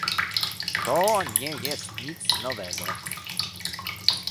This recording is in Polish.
To nie jest nic nowego!